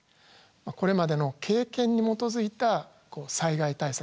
これまでの経験に基づいた災害対策